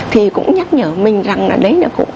thì cũng nhắc nhở mình rằng là đấy là cụ